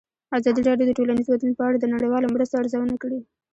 ازادي راډیو د ټولنیز بدلون په اړه د نړیوالو مرستو ارزونه کړې.